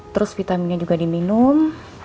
terus vitaminnya juga diminum